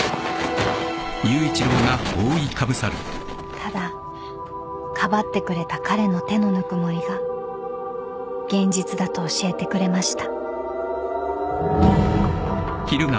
［ただかばってくれた彼の手のぬくもりが現実だと教えてくれました］